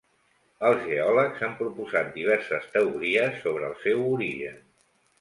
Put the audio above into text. Els geòlegs han proposat diverses teories sobre el seu origen.